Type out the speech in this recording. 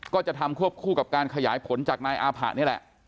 ก็จะทำควบคู่กับการขยายผลจากนายอาผะนี่แหละ